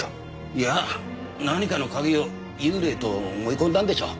いや何かの影を幽霊と思い込んだんでしょう。